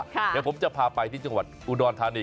เดี๋ยวผมจะพาไปที่จังหวัดอุดรธานี